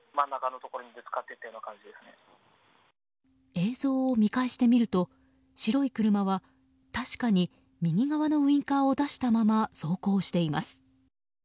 映像を見返してみると白い車は、確かに右側のウインカーを出したまま走行しています。